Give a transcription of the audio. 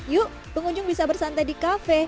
yuk pengunjung bisa bersantai di kafe